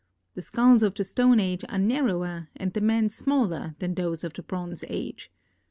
The skulls of the Stone Age are narrower and tlie men smaller than those of the Bronze Age.